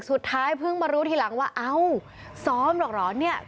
สุดท้ายเพิ่งมารู้ทีหลังว่าเอ้าซ้อมหรอกเหรอเนี่ย